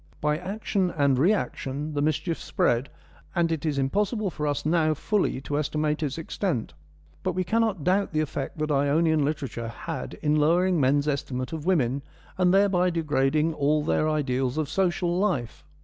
By action and reaction the mischief spread, and it is impossible for us now fully to estimate its extent. But we cannot doubt the effect that Ionian literature had in lowering men's estimate of women, and thereby degrading all their ideals of social life.